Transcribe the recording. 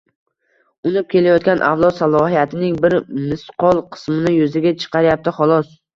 unib kelayotgan avlod salohiyatining bir misqol qismini yuzaga chiqaryapti, xolos.